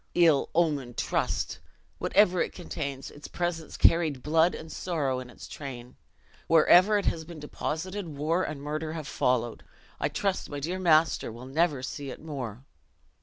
Ill omened trust! whatever it contains, its presence carried blood and sorrow in its train. Wherever it has been deposited war and murder have followed: I trust my dear master will never see it more!"